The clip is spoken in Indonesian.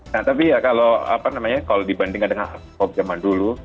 nah tapi ya kalau dibandingkan dengan pop zaman dulu